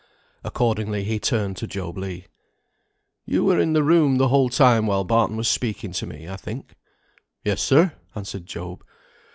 Accordingly he turned to Job Legh. "You were in the room the whole time while Barton was speaking to me, I think?" "Yes, sir," answered Job.